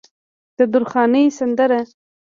د درخانۍ سندره